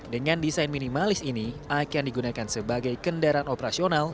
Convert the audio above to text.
dengan desain minimalis ini akan digunakan sebagai kendaraan operasional